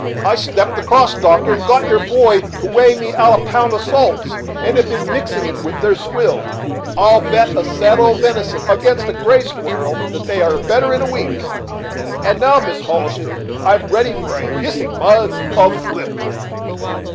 I stepped across, doctor, and got your boy to weigh me out a pound of salts, and have been mixing it with their swill. I'll bet a saddle of venison against a gray squirrel that they are better in a week. And now, Mrs. Hollister, I'm ready for a hissing mug of flip."